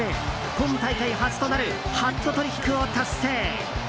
今大会初となるハットトリックを達成。